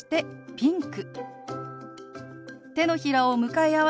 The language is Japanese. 「ピンク」。